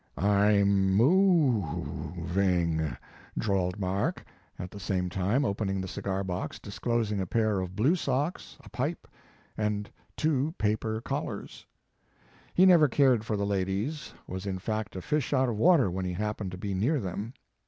"I m m o o v ing," drawled Mark, at the sams time opening the cigar box disclosing a pair cf blue socks, a pipe and two paper collars. He never cared for the ladies, was in fact a fish out of water when he happened to be near them.